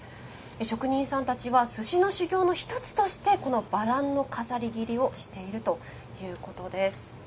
職人さんたちは寿司の修業の一つとしてこのバランの飾り切りをしているということです。